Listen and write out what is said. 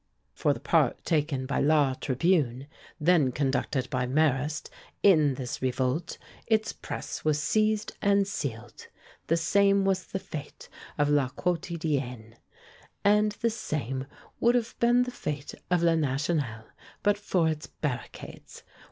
For the part taken by 'La Tribune,' then conducted by Marrast, in this revolt, its press was seized and sealed. The same was the fate of 'La Quotidienne,' and the same would have been the fate of 'Le National,' but for its barricades.